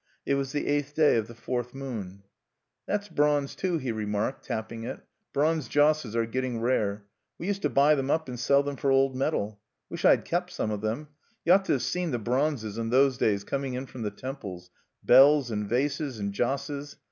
It was the eighth day of the fourth moon_. "That's bronze, too," he remarked, tapping it. "Bronze josses are getting rare. We used to buy them up and sell them for old metal. Wish I'd kept some of them! You ought to have seen the bronzes, in those days, coming in from the temples, bells and vases and josses!